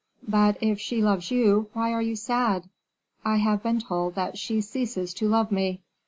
"But if she loves you, why are you sad?" "I have been told that she ceases to love me."